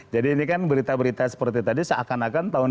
jadi ini kan berita berita seperti tadi seakan akan tahun dua ribu dua puluh